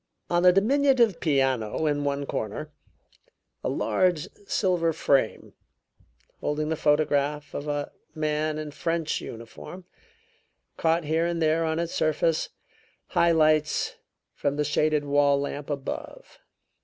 On the diminutive piano in one corner, a large silver frame, holding the photograph of a man in French uniform, caught here and there on its surface high lights from the shaded wall lamp above.